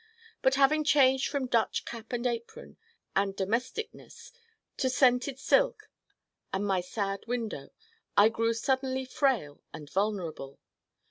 But having changed from Dutch cap and apron and domesticness to scented silk and my sad window I grew suddenly frail and vulnerable.